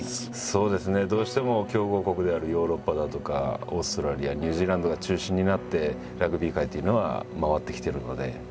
そうですねどうしても強豪国であるヨーロッパだとかオーストラリアニュージーランドが中心になってラグビー界っていうのは回ってきているので。